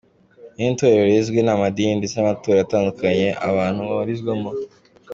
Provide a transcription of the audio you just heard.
Irindi torero rizwi, ni amadini ndetse n’amatorero atandukanye abantu babarizwamo.